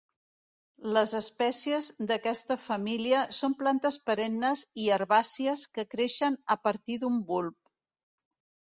Les espècies d'aquesta família són plantes perennes i herbàcies que creixen a partir d'un bulb.